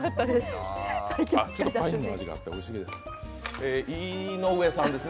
ちょっとパインの味があっておいしいです。